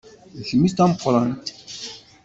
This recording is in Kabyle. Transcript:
D kemm i d tameqqrant.